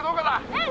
うん！